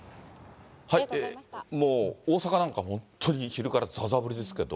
もう大阪なんか本当に昼からざーざー降りですけど。